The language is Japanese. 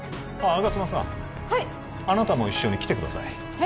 吾妻さんはいあなたも一緒に来てくださいえ？